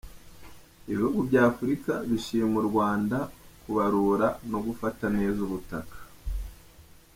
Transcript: Ibihugu by’Afurika bishima u Rwanda kubarura no gufata neza ubutaka